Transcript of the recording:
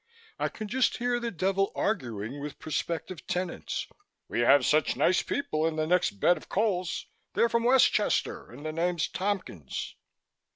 I can just hear the Devil arguing with prospective tenants. 'We have such nice people in the next bed of coals. They're from Westchester and the name's Tompkins'."